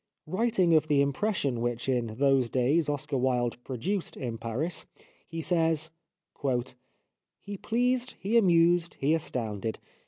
Writing of the impression which in those days Oscar Wilde produced in Paris he says :—" He pleased, he amused, he astounded.